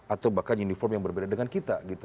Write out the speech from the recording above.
atau bahkan uniform yang berbeda dengan kita gitu